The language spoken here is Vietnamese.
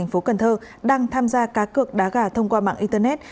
công an huyện trà ôn và thành phố cần thơ đang tham gia cá cược đá gà thông qua mạng internet